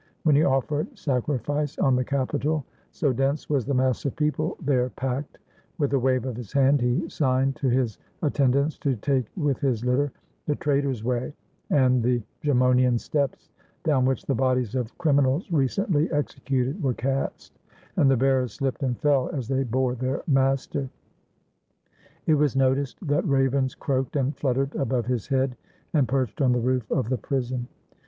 When he ofifered sacri fice on the Capitol, so dense was the mass of people there packed, with a wave of his hand he signed to his attend ants to take with his Htter the "Traitors' Way" and the Gemonian Steps, down which the bodies of criminals recently executed were cast, and the bearers shpped and fell as they bore their master. It was noticed that ravens croaked and fluttered above his head, and perched on the roof of the prison.